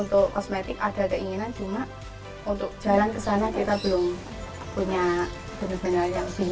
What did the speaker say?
untuk kosmetik ada keinginan cuma untuk jalan ke sana kita belum punya benar benar yang sini